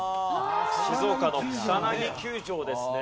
静岡の草薙球場ですね。